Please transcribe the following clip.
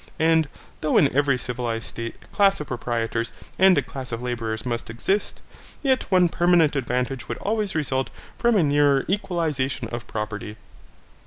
And, though in every civilized state a class of proprietors and a class of labourers must exist, yet one permanent advantage would always result from a nearer equalization of property.